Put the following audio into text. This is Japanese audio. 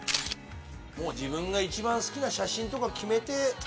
自分が一番好きな写真とか決めて。